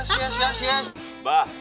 siap siap siap